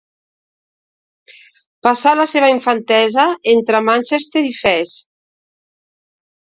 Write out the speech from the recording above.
Passà la seva infantesa entre Manchester i Fes.